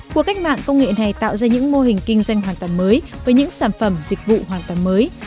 cuộc cách mạng công nghệ này tạo ra những mô hình kinh doanh hoàn toàn mới với những sản phẩm dịch vụ hoàn toàn mới